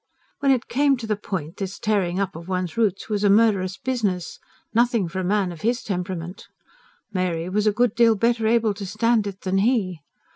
When it came to the point, this tearing up of one's roots was a murderous business nothing for a man of his temperament. Mary was a good deal better able to stand it than he.